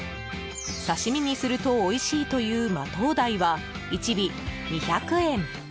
刺し身にするとおいしいというマトウダイは、１尾２００円。